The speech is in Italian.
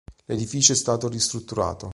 L'edificio è stato ristrutturato.